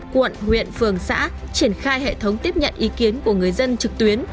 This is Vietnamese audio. một trăm linh quận huyện phường xã triển khai hệ thống tiếp nhận ý kiến của người dân trực tuyến